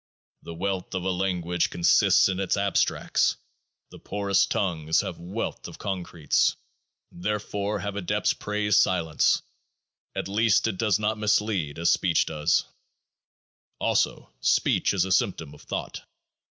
The wealth of a language consists in its Abstracts ; the poorest tongues have wealth of Concretes. Therefore have Adepts praised silence ; at least it does not mislead as speech does. Also, Speech is a symptom of Thought.